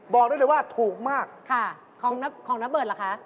บอกได้เลยว่าถูกมากค่ะของน้าเบิดเหรอคะ